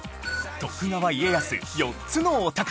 徳川家康４つのお宝